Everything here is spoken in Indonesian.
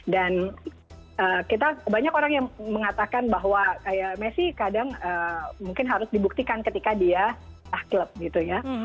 dan banyak orang yang mengatakan bahwa messi kadang mungkin harus dibuktikan ketika dia klub gitu ya